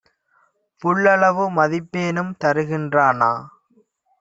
புல்லளவு மதிப்பேனும் தருகின் றானா?